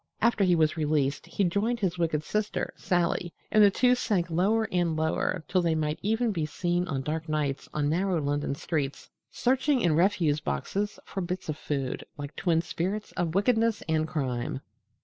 After he was released he joined his wicked sister, Sally, and the two sank lower and lower till they might even be seen on dark nights on narrow London streets searching in refuse boxes for bits of food, like twin spirits of wickedness and crime.